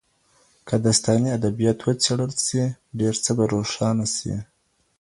که داستاني ادبیات وڅېړل سي ډېر څه به روښانه سي.